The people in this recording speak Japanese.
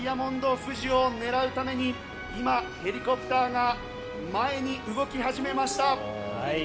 富士を狙うために今、ヘリコプターが前に動き始めました。